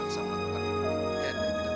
candy tidak bersalah